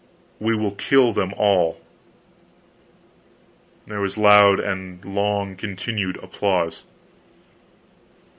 We will kill them all." [Loud and long continued applause.